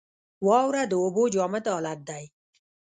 واوره د اوبو جامد حالت دی.